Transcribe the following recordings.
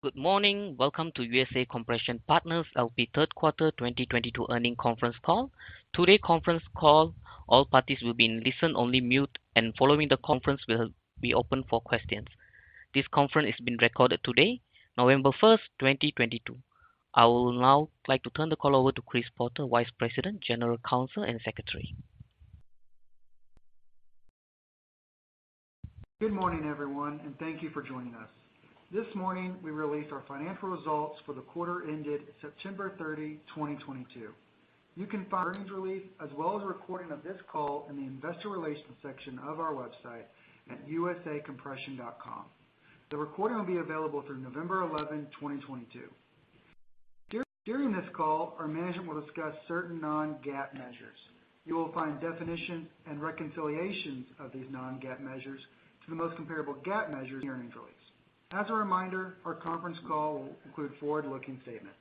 Good morning. Welcome to USA Compression Partners, LP third quarter 2022 earnings conference call. Today's conference call, all parties will be in listen-only mode, and following the conference, the call will be open for questions. This conference is being recorded today, November 1, 2022. I would now like to turn the call over to Chris Porter, Vice President, General Counsel and Secretary. Good morning, everyone, and thank you for joining us. This morning, we released our financial results for the quarter ended September 30, 2022. You can find earnings release as well as a recording of this call in the investor relations section of our website at usacompression.com. The recording will be available through November 11, 2022. During this call, our management will discuss certain non-GAAP measures. You will find definition and reconciliations of these non-GAAP measures to the most comparable GAAP measures in our earnings release. As a reminder, our conference call will include forward-looking statements.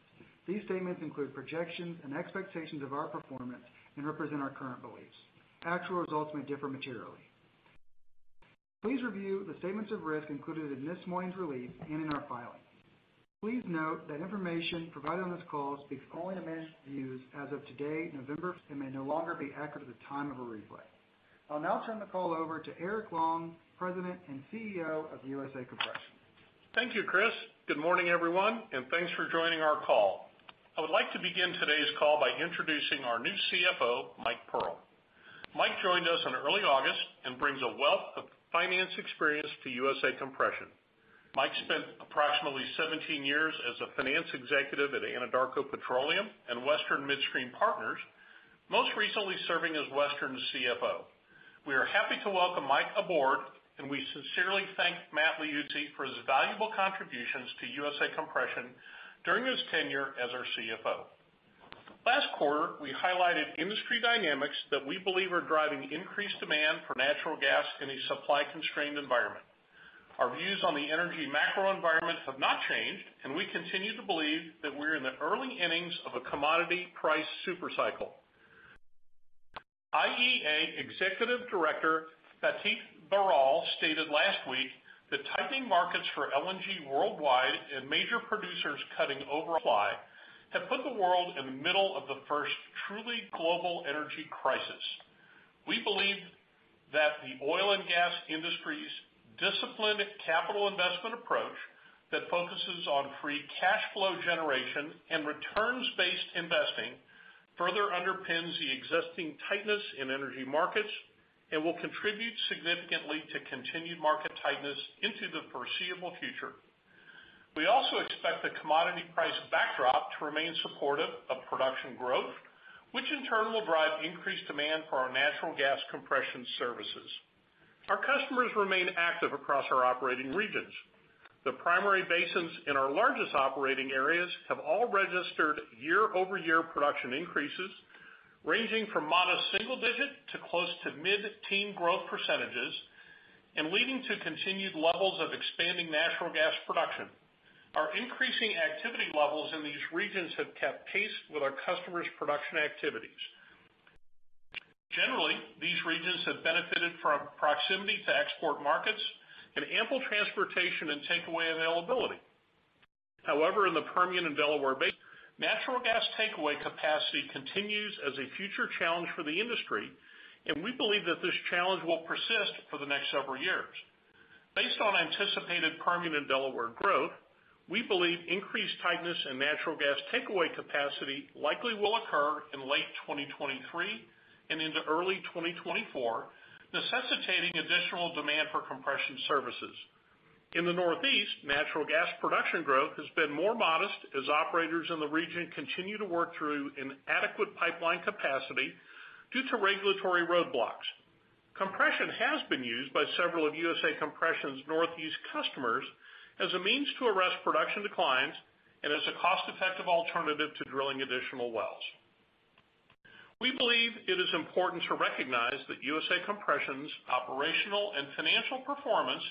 These statements include projections and expectations of our performance and represent our current beliefs. Actual results may differ materially. Please review the statements of risk included in this morning's release and in our filing. Please note that information provided on this call speaks only to management's views as of today, November, and may no longer be accurate at the time of a replay. I'll now turn the call over to Eric Long, President and CEO of USA Compression. Thank you, Chris. Good morning, everyone, and thanks for joining our call. I would like to begin today's call by introducing our new CFO, Michael Pearl. Michael joined us in early August and brings a wealth of finance experience to USA Compression. Michael spent approximately 17 years as a finance executive at Anadarko Petroleum and Western Midstream Partners, most recently serving as Western's CFO. We are happy to welcome Michael aboard, and we sincerely thank Matt Liuzzi for his valuable contributions to USA Compression during his tenure as our CFO. Last quarter, we highlighted industry dynamics that we believe are driving increased demand for natural gas in a supply-constrained environment. Our views on the energy macro environment have not changed, and we continue to believe that we're in the early innings of a commodity price super cycle. IEA Executive Director Fatih Birol stated last week that tightening markets for LNG worldwide and major producers cutting overall supply have put the world in the middle of the first truly global energy crisis. We believe that the oil and gas industry's disciplined capital investment approach that focuses on free cash flow generation and returns-based investing further underpins the existing tightness in energy markets and will contribute significantly to continued market tightness into the foreseeable future. We also expect the commodity price backdrop to remain supportive of production growth, which in turn will drive increased demand for our natural gas compression services. Our customers remain active across our operating regions. The primary basins in our largest operating areas have all registered year-over-year production increases ranging from modest single digit to close to mid-teen growth percentages and leading to continued levels of expanding natural gas production. Our increasing activity levels in these regions have kept pace with our customers' production activities. Generally, these regions have benefited from proximity to export markets and ample transportation and takeaway availability. However, in the Permian and Delaware Basin, natural gas takeaway capacity continues as a future challenge for the industry, and we believe that this challenge will persist for the next several years. Based on anticipated Permian and Delaware growth, we believe increased tightness in natural gas takeaway capacity likely will occur in late 2023 and into early 2024, necessitating additional demand for compression services. In the Northeast, natural gas production growth has been more modest as operators in the region continue to work through inadequate pipeline capacity due to regulatory roadblocks. Compression has been used by several of USA Compression's Northeast customers as a means to arrest production declines and as a cost-effective alternative to drilling additional wells. We believe it is important to recognize that USA Compression's operational and financial performance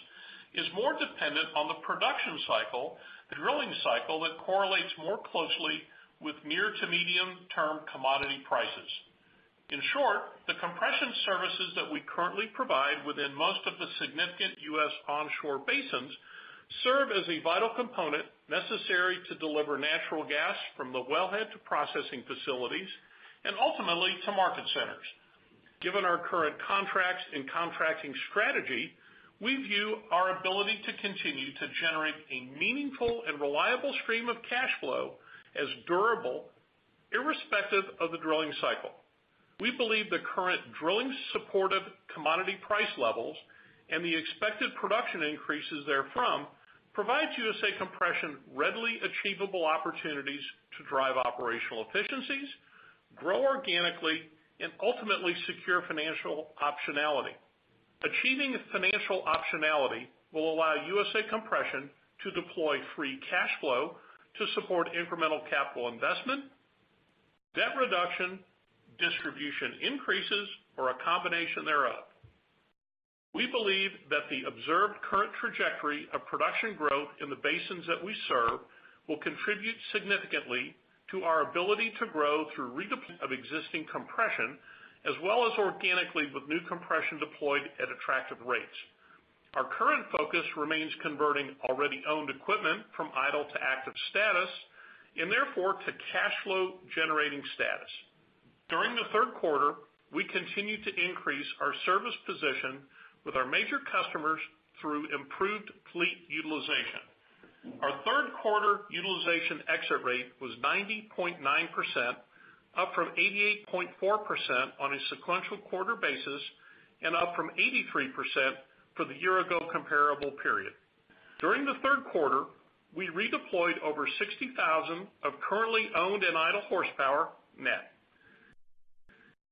is more dependent on the production cycle, the drilling cycle that correlates more closely with near to medium-term commodity prices. In short, the compression services that we currently provide within most of the significant U.S. onshore basins serve as a vital component necessary to deliver natural gas from the wellhead to processing facilities and ultimately to market centers. Given our current contracts and contracting strategy, we view our ability to continue to generate a meaningful and reliable stream of cash flow as durable, irrespective of the drilling cycle. We believe the current drilling supportive commodity price levels and the expected production increases therefrom provides USA Compression readily achievable opportunities to drive operational efficiencies, grow organically, and ultimately secure financial optionality. Achieving financial optionality will allow USA Compression to deploy free cash flow to support incremental capital investment, debt reduction, distribution increases, or a combination thereof. We believe that the observed current trajectory of production growth in the basins that we serve will contribute significantly to our ability to grow through redeploy of existing compression as well as organically with new compression deployed at attractive rates. Our current focus remains converting already owned equipment from idle to active status and therefore to cash flow generating status. During the third quarter, we continued to increase our service position with our major customers through improved fleet utilization. Our third quarter utilization exit rate was 90.9%, up from 88.4% on a sequential quarter basis and up from 83% for the year ago comparable period. During the third quarter, we redeployed over 60,000 of currently owned and idle horsepower net.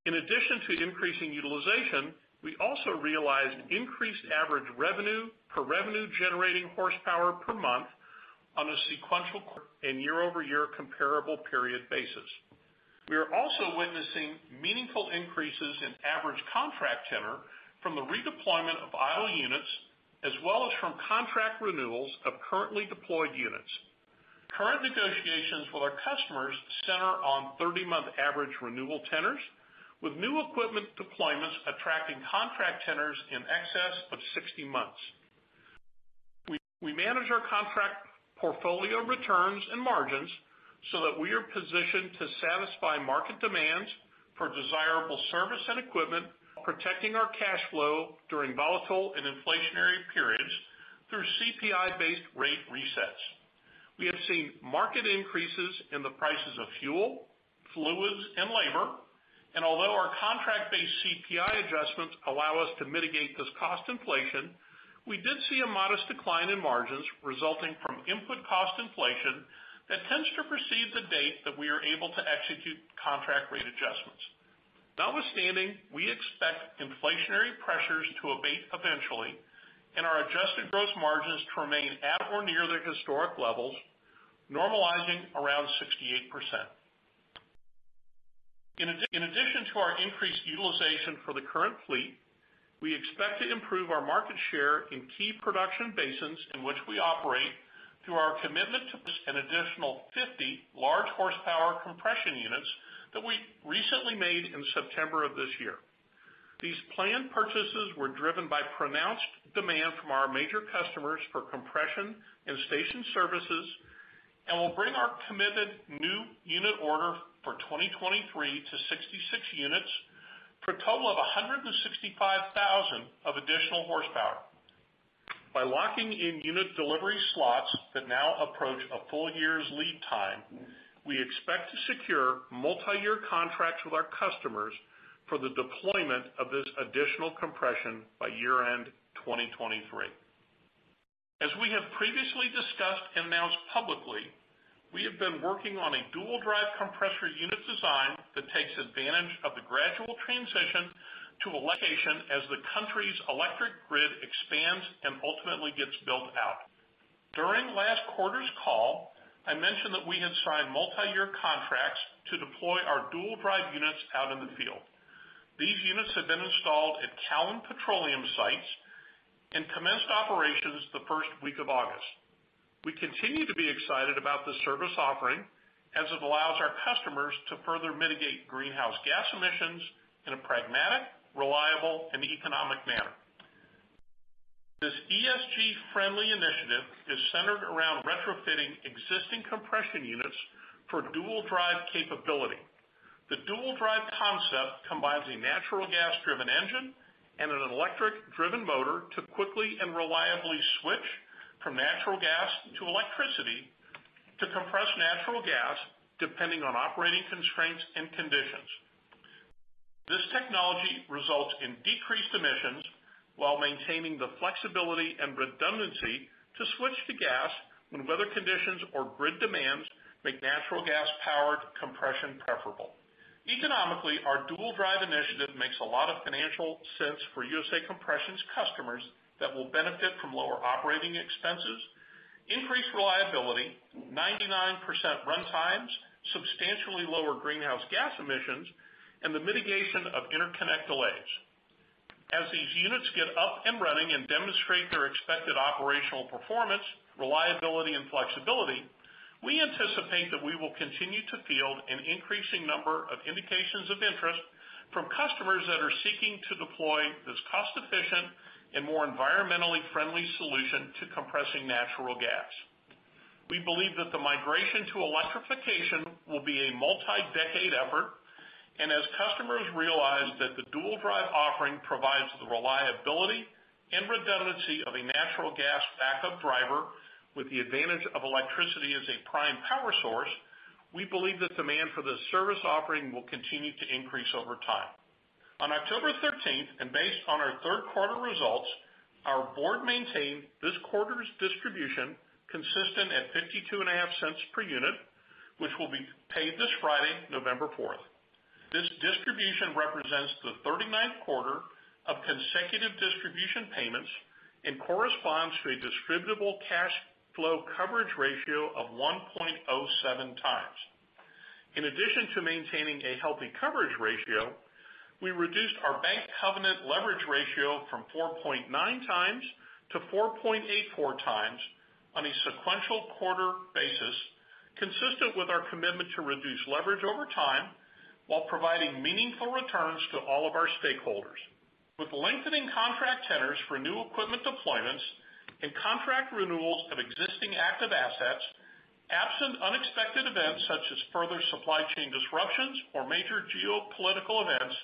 In addition to increasing utilization, we also realized increased average revenue per revenue generating horsepower per month on a sequential and year-over-year comparable period basis. We are also witnessing meaningful increases in average contract tenor from the redeployment of idle units as well as from contract renewals of currently deployed units. Current negotiations with our customers center on 30-month average renewal tenors with new equipment deployments attracting contract tenors in excess of 60 months. We manage our contract portfolio returns and margins so that we are positioned to satisfy market demands for desirable service and equipment, protecting our cash flow during volatile and inflationary periods through CPI-based rate resets. We have seen market increases in the prices of fuel, fluids and labor, and although our contract-based CPI adjustments allow us to mitigate this cost inflation, we did see a modest decline in margins resulting from input cost inflation that tends to precede the date that we are able to execute contract rate adjustments. Notwithstanding, we expect inflationary pressures to abate eventually and our adjusted gross margins to remain at or near their historic levels, normalizing around 68%. In addition to our increased utilization for the current fleet, we expect to improve our market share in key production basins in which we operate through our commitment to an additional 50 large horsepower compression units that we recently made in September of this year. These planned purchases were driven by pronounced demand from our major customers for compression and station services and will bring our committed new unit order for 2023 to 66 units for a total of 165,000 of additional horsepower. By locking in unit delivery slots that now approach a full year's lead time, we expect to secure multiyear contracts with our customers for the deployment of this additional compression by year-end 2023. As we have previously discussed and announced publicly, we have been working on a dual drive compressor unit design that takes advantage of the gradual transition to electrification as the country's electric grid expands and ultimately gets built out. During last quarter's call, I mentioned that we had signed multiyear contracts to deploy our dual drive units out in the field. These units have been installed at Callon Petroleum sites and commenced operations the first week of August. We continue to be excited about this service offering as it allows our customers to further mitigate greenhouse gas emissions in a pragmatic, reliable and economic manner. This ESG friendly initiative is centered around retrofitting existing compression units for dual drive capability. The dual drive concept combines a natural gas driven engine and an electric driven motor to quickly and reliably switch from natural gas to electricity to compress natural gas depending on operating constraints and conditions. This technology results in decreased emissions while maintaining the flexibility and redundancy to switch to gas when weather conditions or grid demands make natural gas powered compression preferable. Economically, our dual drive initiative makes a lot of financial sense for USA Compression's customers that will benefit from lower operating expenses, increased reliability, 99% runtimes, substantially lower greenhouse gas emissions, and the mitigation of interconnect delays. As these units get up and running and demonstrate their expected operational performance, reliability and flexibility, we anticipate that we will continue to field an increasing number of indications of interest from customers that are seeking to deploy this cost efficient and more environmentally friendly solution to compressing natural gas. We believe that the migration to electrification will be a multi-decade effort, and as customers realize that the dual drive offering provides the reliability and redundancy of a natural gas backup driver with the advantage of electricity as a prime power source, we believe the demand for this service offering will continue to increase over time. On October thirteenth, and based on our third quarter results, our board maintained this quarter's distribution consistent at $0.525 per unit, which will be paid this Friday, November fourth. This distribution represents the 39th quarter of consecutive distribution payments and corresponds to a distributable cash flow coverage ratio of 1.07x. In addition to maintaining a healthy coverage ratio, we reduced our bank covenant leverage ratio from 4.9x to 4.84x on a sequential quarter basis, consistent with our commitment to reduce leverage over time while providing meaningful returns to all of our stakeholders. With lengthening contract tenors for new equipment deployments and contract renewals of existing active assets, absent unexpected events such as further supply chain disruptions or major geopolitical events,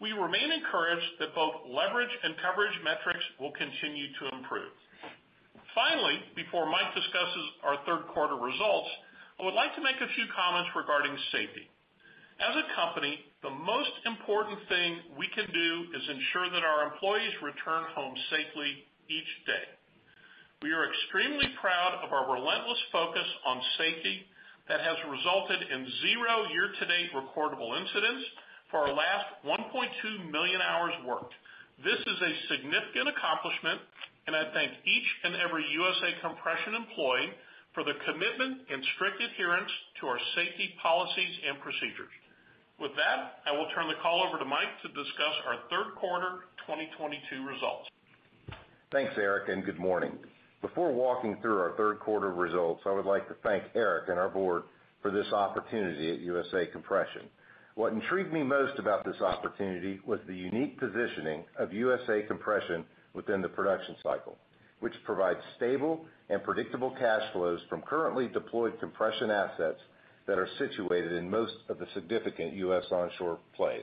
we remain encouraged that both leverage and coverage metrics will continue to improve. Finally, before Michael discusses our third quarter results, I would like to make a few comments regarding safety. As a company, the most important thing we can do is ensure that our employees return home safely each day. We are extremely proud of our relentless focus on safety that has resulted in zero year-to-date reportable incidents for our last 1.2 million hours worked. This is a significant accomplishment, and I thank each and every USA Compression employee for their commitment and strict adherence to our safety policies and procedures. With that, I will turn the call over to Michael to discuss our third quarter 2022 results. Thanks, Eric, and good morning. Before walking through our third quarter results, I would like to thank Eric and our board for this opportunity at USA Compression. What intrigued me most about this opportunity was the unique positioning of USA Compression within the production cycle, which provides stable and predictable cash flows from currently deployed compression assets that are situated in most of the significant U.S. onshore plays.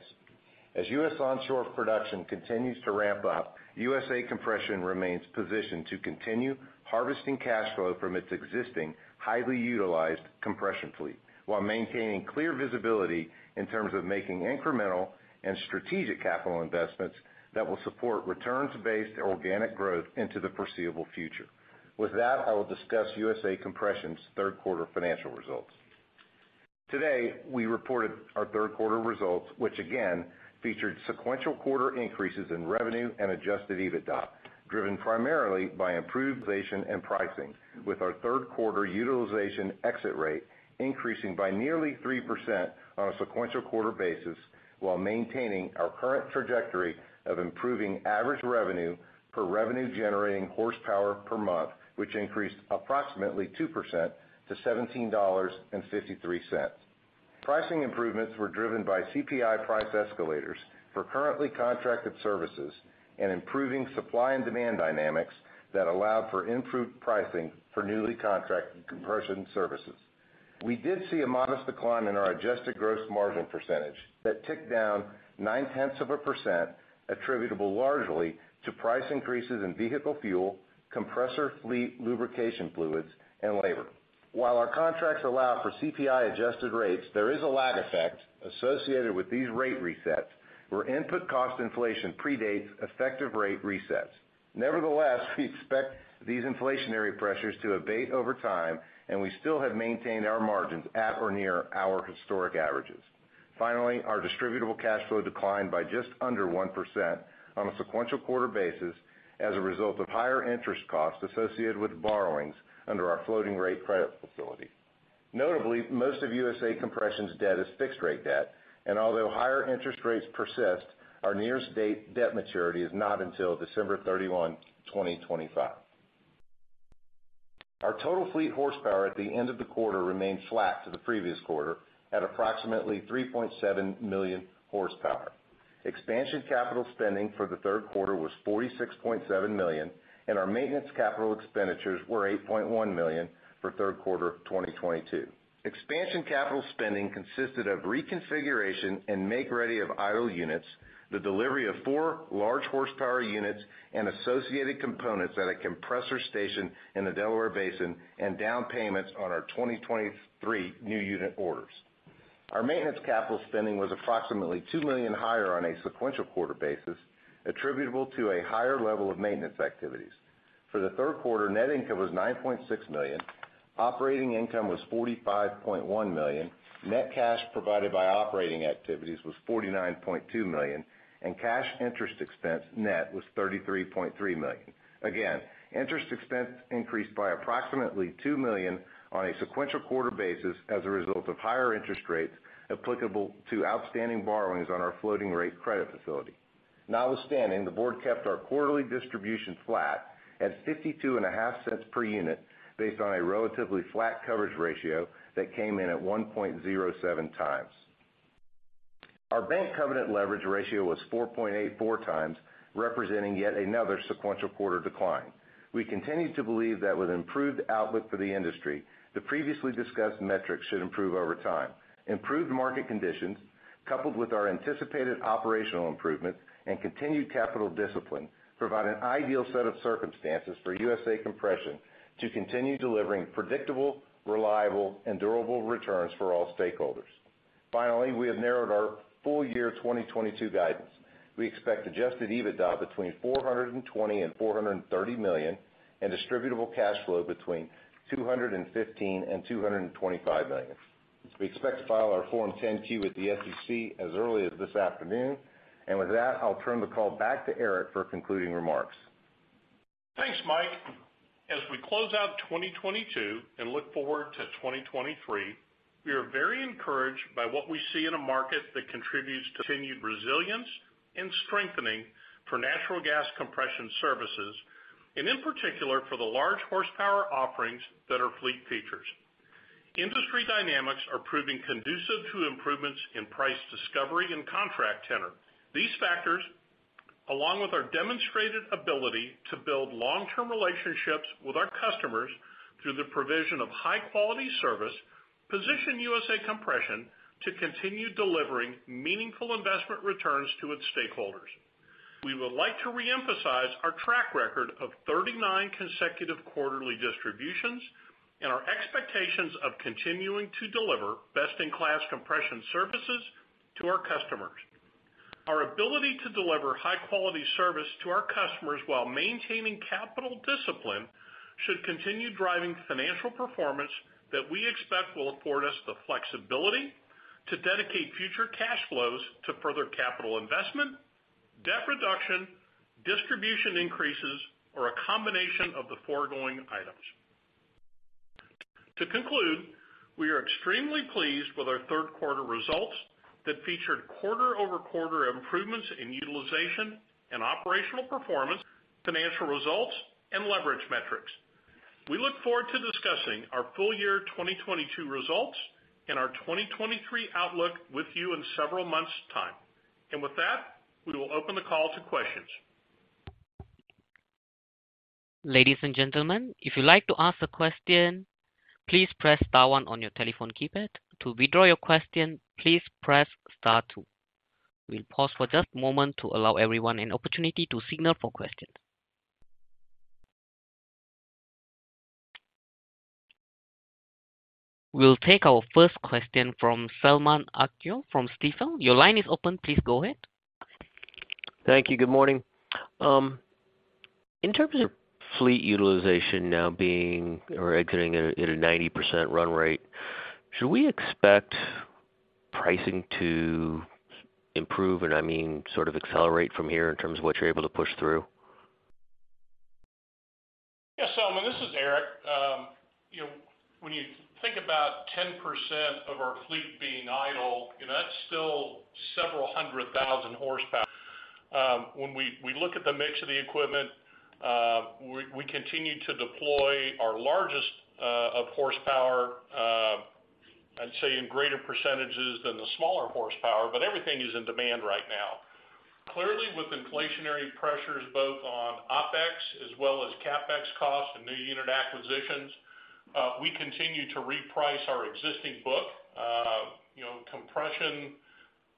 As U.S. onshore production continues to ramp up, USA Compression remains positioned to continue harvesting cash flow from its existing, highly utilized compression fleet, while maintaining clear visibility in terms of making incremental and strategic capital investments that will support returns-based organic growth into the foreseeable future. With that, I will discuss USA Compression's third quarter financial results. Today, we reported our third quarter results, which again featured sequential quarter increases in revenue and adjusted EBITDA, driven primarily by improved utilization and pricing, with our third quarter utilization exit rate increasing by nearly 3% on a sequential quarter basis, while maintaining our current trajectory of improving average revenue per revenue-generating horsepower per month, which increased approximately 2% to $17.53. Pricing improvements were driven by CPI price escalators for currently contracted services and improving supply and demand dynamics that allow for improved pricing for newly contracted compression services. We did see a modest decline in our adjusted gross margin percentage that ticked down 0.9%, attributable largely to price increases in vehicle fuel, compressor fleet lubrication fluids, and labor. While our contracts allow for CPI-adjusted rates, there is a lag effect associated with these rate resets, where input cost inflation predates effective rate resets. Nevertheless, we expect these inflationary pressures to abate over time, and we still have maintained our margins at or near our historic averages. Finally, our distributable cash flow declined by just under 1% on a sequential quarter basis as a result of higher interest costs associated with borrowings under our floating rate credit facility. Notably, most of USA Compression's debt is fixed-rate debt, and although higher interest rates persist, our nearest date debt maturity is not until December 31, 2025. Our total fleet horsepower at the end of the quarter remained flat to the previous quarter at approximately 3.7 million horsepower. Expansion capital spending for the third quarter was $46.7 million, and our maintenance capital expenditures were $8.1 million for third quarter 2022. Expansion capital spending consisted of reconfiguration and make-ready of idle units, the delivery of four large horsepower units and associated components at a compressor station in the Delaware Basin, and down payments on our 2023 new unit orders. Our maintenance capital spending was approximately $2 million higher on a sequential quarter basis, attributable to a higher level of maintenance activities. For the third quarter, net income was $9.6 million, operating income was $45.1 million, net cash provided by operating activities was $49.2 million, and cash interest expense net was $33.3 million. Interest expense increased by approximately $2 million on a sequential quarter basis as a result of higher interest rates applicable to outstanding borrowings on our floating rate credit facility. Notwithstanding, the board kept our quarterly distribution flat at $0.525 per unit based on a relatively flat coverage ratio that came in at 1.07x. Our bank covenant leverage ratio was 4.84x, representing yet another sequential quarter decline. We continue to believe that with improved outlook for the industry, the previously discussed metrics should improve over time. Improved market conditions, coupled with our anticipated operational improvements and continued capital discipline, provide an ideal set of circumstances for USA Compression to continue delivering predictable, reliable, and durable returns for all stakeholders. Finally, we have narrowed our full-year 2022 guidance. We expect adjusted EBITDA between $420 million and $430 million, and distributable cash flow between $215 million and $225 million. We expect to file our Form 10-Q with the SEC as early as this afternoon. With that, I'll turn the call back to Eric for concluding remarks. Thanks, Michael. As we close out 2022 and look forward to 2023, we are very encouraged by what we see in a market that contributes to continued resilience and strengthening for natural gas compression services, and in particular, for the large horsepower offerings that are fleet features. Industry dynamics are proving conducive to improvements in price discovery and contract tenor. These factors, along with our demonstrated ability to build long-term relationships with our customers through the provision of high-quality service, position USA Compression to continue delivering meaningful investment returns to its stakeholders. We would like to reemphasize our track record of 39 consecutive quarterly distributions and our expectations of continuing to deliver best-in-class compression services to our customers. Our ability to deliver high-quality service to our customers while maintaining capital discipline should continue driving financial performance that we expect will afford us the flexibility to dedicate future cash flows to further capital investment, debt reduction, distribution increases, or a combination of the foregoing items. To conclude, we are extremely pleased with our third quarter results that featured quarter-over-quarter improvements in utilization and operational performance, financial results, and leverage metrics. We look forward to discussing our full year 2022 results and our 2023 outlook with you in several months' time. With that, we will open the call to questions. Ladies and gentlemen, if you'd like to ask a question, please press star one on your telephone keypad. To withdraw your question, please press star two. We'll pause for just a moment to allow everyone an opportunity to signal for questions. We'll take our first question from Selman Akyol from Stifel. Your line is open. Please go ahead. Thank you. Good morning. In terms of fleet utilization now being or exiting at a 90% run rate, should we expect pricing to improve, and I mean, sort of accelerate from here in terms of what you're able to push through? Yeah, Selman, this is Eric. You know, when you think about 10% of our fleet being idle, you know, that's still several hundred thousand horsepower. When we look at the mix of the equipment, we continue to deploy our largest of horsepower, I'd say in greater percentages than the smaller horsepower, but everything is in demand right now. Clearly, with inflationary pressures both on OpEx as well as CapEx costs and new unit acquisitions, we continue to reprice our existing book. You know, compression.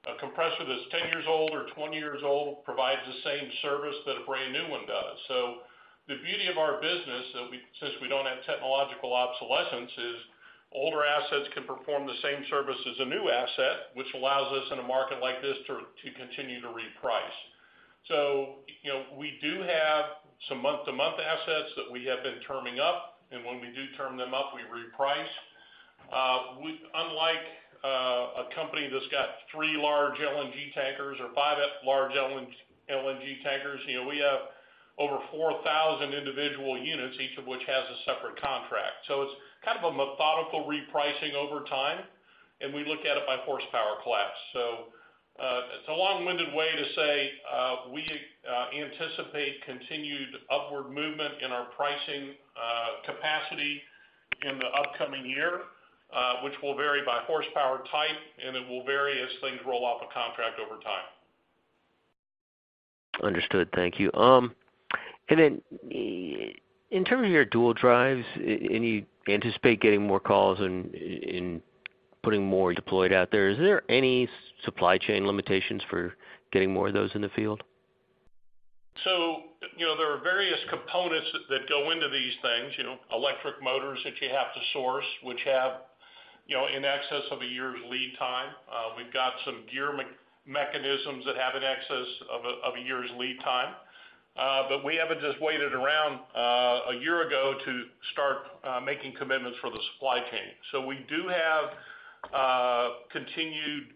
A compressor that's 10 years old or 20 years old provides the same service that a brand-new one does. The beauty of our business that since we don't have technological obsolescence is older assets can perform the same service as a new asset, which allows us in a market like this to continue to reprice. You know, we do have some month-to-month assets that we have been terming up, and when we do term them up, we reprice. We unlike a company that's got three large LNG tankers or five large LNG tankers, you know, we have over 4,000 individual units, each of which has a separate contract. It's kind of a methodical repricing over time, and we look at it by horsepower class. It's a long-winded way to say we anticipate continued upward movement in our pricing capacity in the upcoming year, which will vary by horsepower type, and it will vary as things roll off a contract over time. Understood. Thank you. In terms of your dual drives, anticipate getting more calls and putting more deployed out there. Is there any supply chain limitations for getting more of those in the field? You know, there are various components that go into these things, you know, electric motors that you have to source, which have, you know, in excess of a year's lead time. We've got some gear mechanisms that have an excess of a year's lead time. But we haven't just waited around, a year ago to start making commitments for the supply chain. We do have continued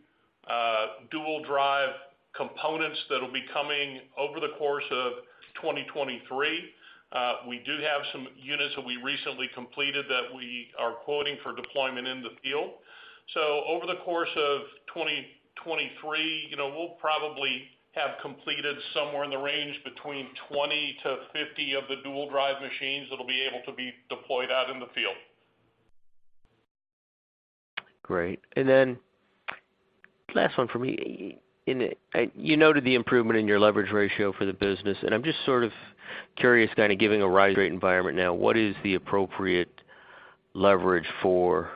dual drive components that'll be coming over the course of 2023. We do have some units that we recently completed that we are quoting for deployment in the field. Over the course of 2023, you know, we'll probably have completed somewhere in the range between 20-50 of the dual drive machines that'll be able to be deployed out in the field. Great. Then last one for me. You noted the improvement in your leverage ratio for the business, and I'm just sort of curious, in a rising rate environment now, what is the appropriate leverage for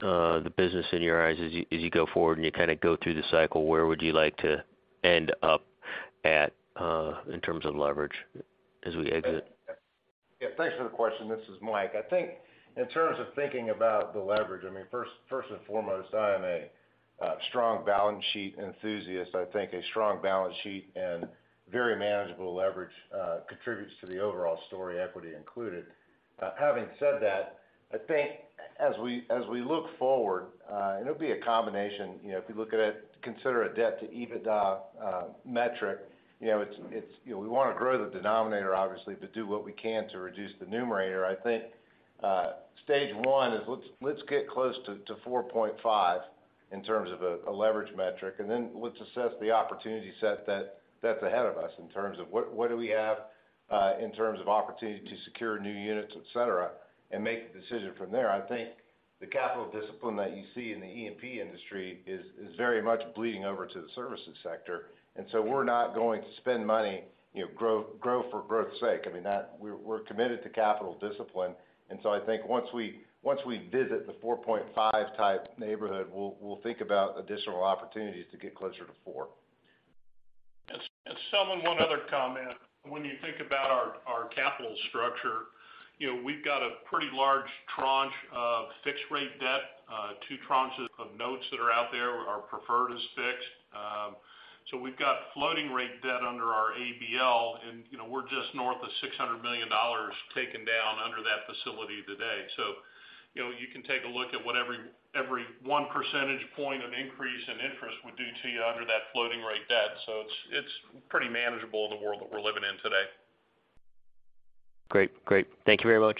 the business in your eyes as you go forward and you kind of go through the cycle, where would you like to end up at in terms of leverage as we exit? Yeah. Thanks for the question. This is Michael. I think in terms of thinking about the leverage, I mean, first and foremost, I am a strong balance sheet enthusiast. I think a strong balance sheet and very manageable leverage contributes to the overall story, equity included. Having said that, I think as we look forward, and it'll be a combination, you know, if you look at it, consider a debt to EBITDA metric, you know, it's, you know, we wanna grow the denominator, obviously, but do what we can to reduce the numerator. I think stage one is let's get close to 4.5x. In terms of a leverage metric. Then let's assess the opportunity set that's ahead of us in terms of what do we have in terms of opportunity to secure new units, et cetera, and make the decision from there. I think the capital discipline that you see in the E&P industry is very much bleeding over to the services sector. We're not going to spend money, you know, grow for growth's sake. I mean, that we're committed to capital discipline. I think once we visit the four-and-a-half-type neighborhood, we'll think about additional opportunities to get closer to four. Selman, one other comment. When you think about our capital structure, you know, we've got a pretty large tranche of fixed rate debt, two tranches of notes that are out there. Our preferred is fixed. We've got floating rate debt under our ABL and, you know, we're just north of $600 million taken down under that facility today. You know, you can take a look at what every one percentage point of increase in interest would do to you under that floating rate debt. It's pretty manageable in the world that we're living in today. Great. Thank you very much.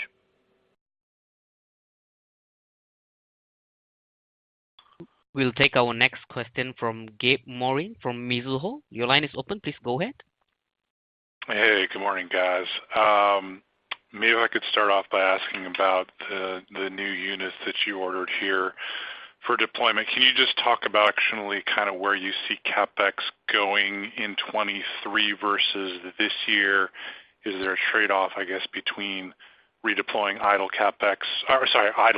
We'll take our next question from Gabe Moreen from Mizuho. Your line is open. Please go ahead. Hey, good morning, guys. Maybe if I could start off by asking about the new units that you ordered here for deployment. Can you just talk about actually kind of where you see CapEx going in 2023 versus this year? Is there a trade-off, I guess, between redeploying idle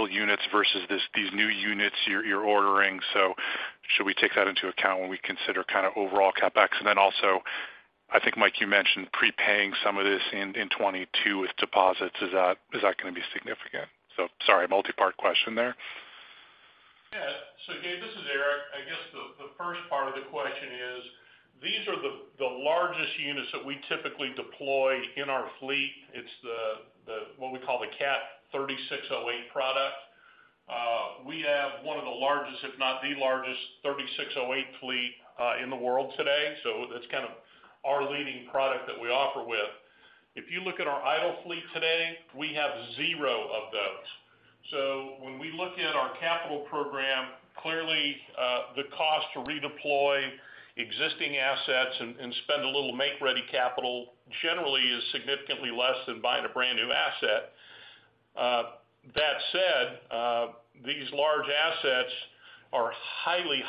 units versus these new units you're ordering? Should we take that into account when we consider kind of overall CapEx? And then also, I think, Michael, you mentioned prepaying some of this in 2022 with deposits. Is that gonna be significant? Sorry, multipart question there. Yeah. Gabe, this is Eric. I guess the first part of the question is, these are the largest units that we typically deploy in our fleet. It's the what we call the Cat 3608 product. We have one of the largest, if not the largest 3608 fleet, in the world today. That's kind of our leading product that we offer with. If you look at our idle fleet today, we have zero of those. When we look at our capital program, clearly, the cost to redeploy existing assets and spend a little make-ready capital generally is significantly less than buying a brand-new asset. That said, these large assets are highly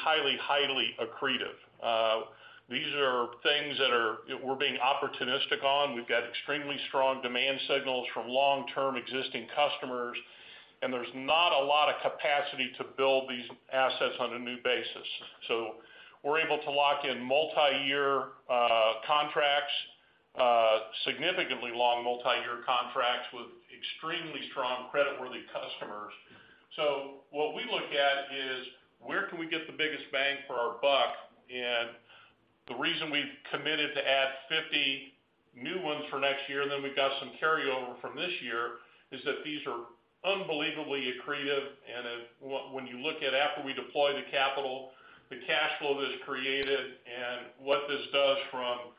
accretive. These are things that we're being opportunistic on. We've got extremely strong demand signals from long-term existing customers, and there's not a lot of capacity to build these assets on a new basis. We're able to lock in multi-year, contracts, significantly long multi-year contracts with extremely strong creditworthy customers. What we look at is where can we get the biggest bang for our buck? The reason we've committed to add 50 new ones for next year, and then we've got some carryover from this year, is that these are unbelievably accretive. When you look at after we deploy the capital, the cash flow that is created and what this does from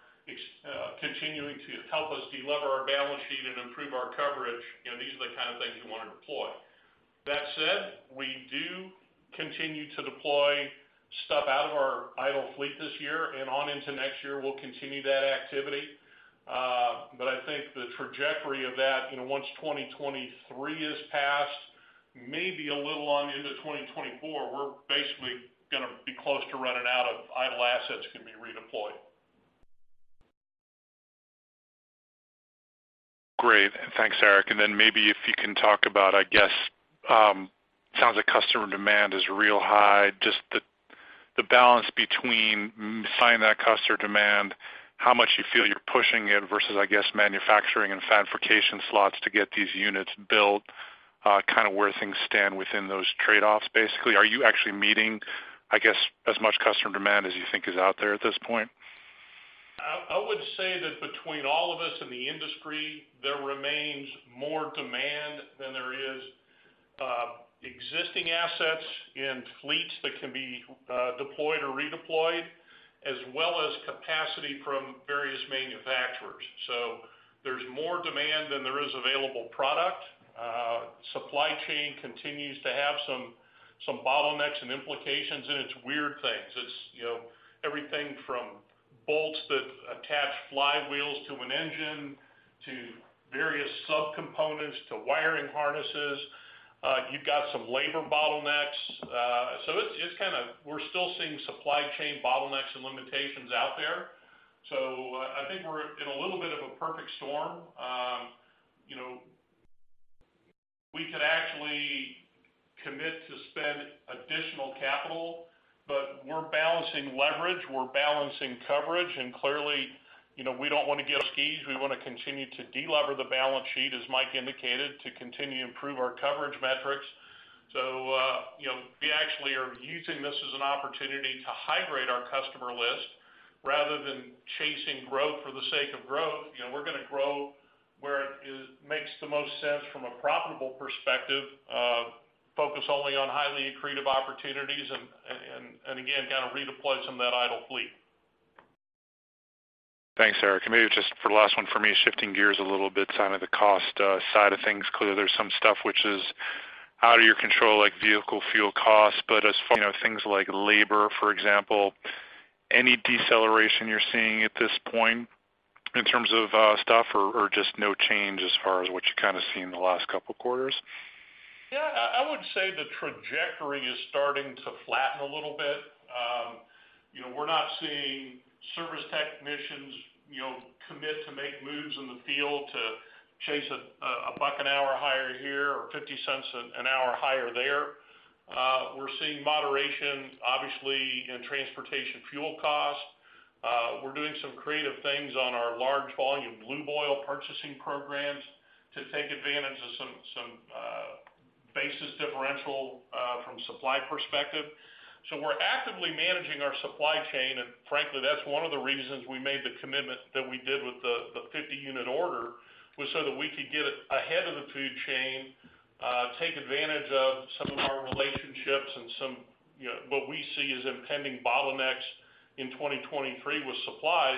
continuing to help us delever our balance sheet and improve our coverage, you know, these are the kind of things you wanna deploy. That said, we do continue to deploy stuff out of our idle fleet this year and on into next year, we'll continue that activity. I think the trajectory of that, you know, once 2023 is passed, maybe a little on into 2024, we're basically gonna be close to running out of idle assets can be redeployed. Great. Thanks, Eric. Then maybe if you can talk about, I guess, sounds like customer demand is real high. Just the balance between signing that customer demand, how much you feel you're pushing it versus, I guess, manufacturing and fabrication slots to get these units built, kind of where things stand within those trade-offs, basically. Are you actually meeting, I guess, as much customer demand as you think is out there at this point? I would say that between all of us in the industry, there remains more demand than there is existing assets in fleets that can be deployed or redeployed, as well as capacity from various manufacturers. There's more demand than there is available product. Supply chain continues to have some bottlenecks and implications, and it's weird things. It's, you know, everything from bolts that attach flywheels to an engine to various subcomponents to wiring harnesses. You've got some labor bottlenecks. It's kind of, we're still seeing supply chain bottlenecks and limitations out there. I think we're in a little bit of a perfect storm. You know, we could actually commit to spend additional capital, but we're balancing leverage, we're balancing coverage, and clearly, you know, we don't wanna give guidance. We wanna continue to delever the balance sheet, as Michael indicated, to continue to improve our coverage metrics. You know, we actually are using this as an opportunity to hydrate our customer list rather than chasing growth for the sake of growth. You know, we're gonna grow where it makes the most sense from a profitable perspective of focus only on highly accretive opportunities and again, kind of redeploy some of that idle fleet. Thanks, Eric. Maybe just for the last one for me, shifting gears a little bit on the cost side of things. Clearly there's some stuff which is out of your control, like vehicle fuel costs, but as far, you know, things like labor, for example, any deceleration you're seeing at this point in terms of stuff or just no change as far as what you've kind of seen in the last couple of quarters? Yeah, I would say the trajectory is starting to flatten a little bit. You know, we're not seeing service technicians, you know, commit to make moves in the field to chase a $1 an hour higher here or $0.50 an hour higher there. We're seeing moderation, obviously in transportation fuel costs. We're doing some creative things on our large volume lube oil purchasing programs to take advantage of some basis differential from supply perspective. We're actively managing our supply chain. Frankly, that's one of the reasons we made the commitment that we did with the 50-unit order, was so that we could get it ahead of the food chain, take advantage of some of our relationships and some, you know, what we see as impending bottlenecks in 2023 with supply.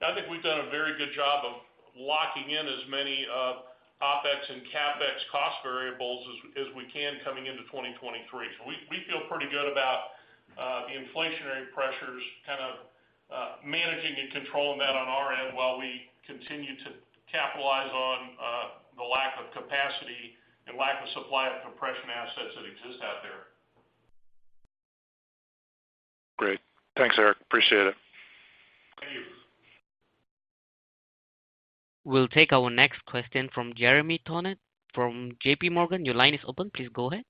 I think we've done a very good job of locking in as many of OpEx and CapEx cost variables as we can coming into 2023. We feel pretty good about the inflationary pressures, kind of, managing and controlling that on our end while we continue to capitalize on the lack of capacity and lack of supply of compression assets that exist out there. Great. Thanks, Eric. Appreciate it. Thank you. We'll take our next question from Jeremy Tonet from JPMorgan. Your line is open. Please go ahead.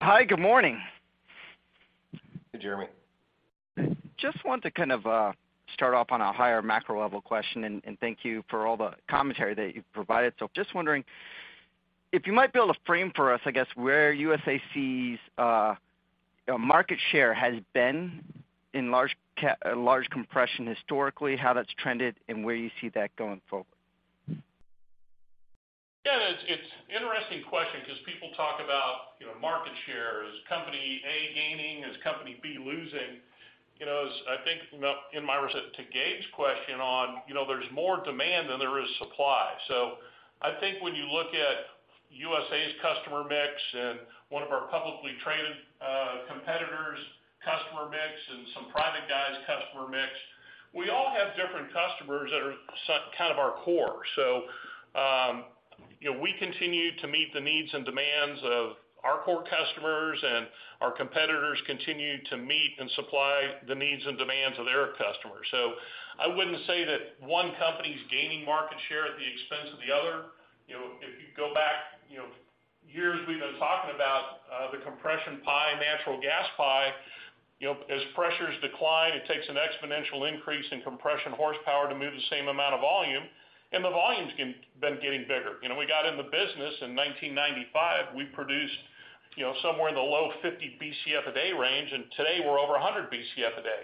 Hi. Good morning. Hey, Jeremy. Just want to kind of start off on a higher macro level question. Thank you for all the commentary that you've provided. Just wondering if you might build a frame for us, I guess, where USA sees market share has been in large compression historically, how that's trended and where you see that going forward. Yeah, it's an interesting question because people talk about, you know, market share. Is company A gaining? Is company B losing? You know, I think to Gabe's question on, you know, there's more demand than there is supply. I think when you look at USA's customer mix and one of our publicly traded competitors customer mix and some private guys customer mix, we all have different customers that are kind of our core. You know, we continue to meet the needs and demands of our core customers, and our competitors continue to meet and supply the needs and demands of their customers. I wouldn't say that one company's gaining market share at the expense of the other. You know, if you go back, you know, years we've been talking about the compression pie, natural gas pie. You know, as pressures decline, it takes an exponential increase in compression horsepower to move the same amount of volume. The volume's been getting bigger. You know, we got in the business in 1995, we produced, you know, somewhere in the low 50 BCF a day range, and today we're over 100 BCF a day.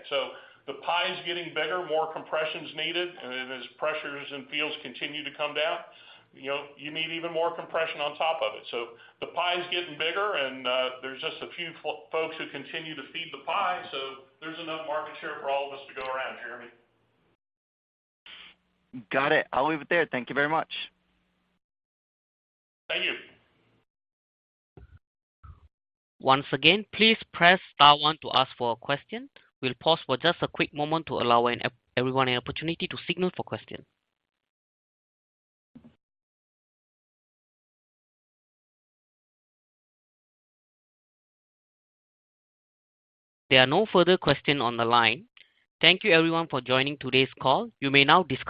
The pie is getting bigger, more compression's needed. As pressures in fields continue to come down, you know, you need even more compression on top of it. The pie is getting bigger and, there's just a few folks who continue to feed the pie. There's enough market share for all of us to go around, Jeremy. Got it. I'll leave it there. Thank you very much. Thank you. Once again, please press star one to ask for a question. We'll pause for just a quick moment to allow everyone an opportunity to signal for a question. There are no further questions on the line. Thank you everyone for joining today's call. You may now disconnect.